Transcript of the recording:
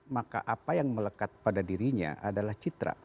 maka apa yang melekat pada dirinya adalah citra